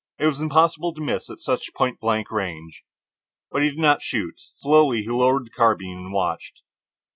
It was impossible to miss at such point blank range. But he did not shoot. Slowly he lowered the carbine and watched.